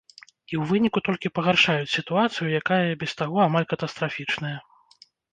І ў выніку толькі пагаршаюць сітуацыю, якая і без таго амаль катастрафічная.